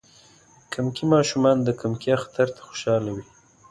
کمکي ماشومان د کمکی اختر ته خوشحاله وی.